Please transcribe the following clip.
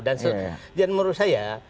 dan menurut saya